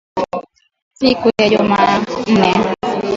siku ya Jumanne